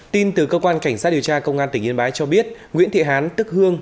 tin từ cơ quan cảnh sát điều tra công an tỉnh yên bái cho biết nguyễn thị hán tức hương